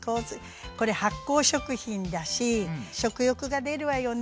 これ発酵食品だし食欲が出るわよね。